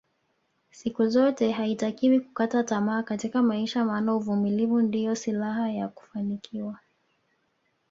Siku zote haitakiwi kukata tamaa Katika maisha maana uvumilivu ndio silaha ya kufanikiwa